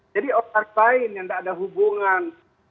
jadi orang lain yang tidak ada hubungan